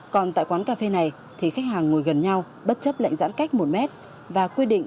còn tại quán cà phê này thì khách hàng ngồi gần nhau bất chấp lệnh giãn cách một mét và quy định